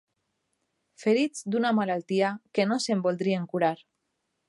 Ferits d'una malaltia que no se'n voldrien curar